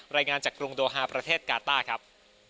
รายงานจากกรุงโดฮาประเทศกาต้าครับ